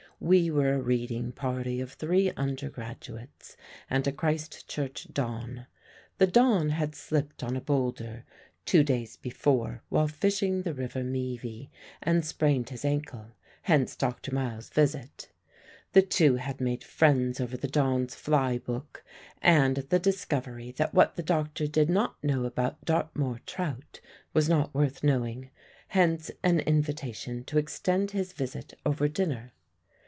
We were a reading party of three undergraduates and a Christ Church don. The don had slipped on a boulder, two days before, while fishing the river Meavy, and sprained his ankle; hence Dr. Miles's visit. The two had made friends over the don's fly book and the discovery that what the doctor did not know about Dartmoor trout was not worth knowing; hence an invitation to extend his visit over dinner.